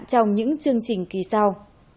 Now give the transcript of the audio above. trong những chương trình kỳ sau